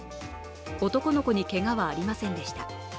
男の子にけがはありませんでした。